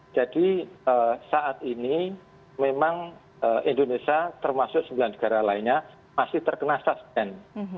saat ini memang indonesia termasuk sembilan negara lainnya masih terkena suspend